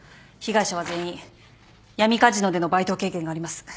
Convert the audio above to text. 被害者は全員闇カジノでのバイト経験があります。